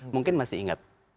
mungkin masih ingat